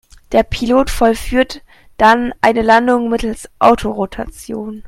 Der Pilot vollführt dann eine Landung mittels Autorotation.